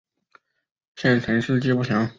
县成事迹不详。